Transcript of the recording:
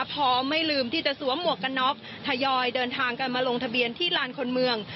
พร้อมไม่ลืมที่จะสวมหมวกกันน็อกทยอยเดินทางกันมาลงทะเบียนที่ลานคนเมือง